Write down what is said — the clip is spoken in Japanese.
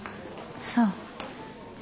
そう。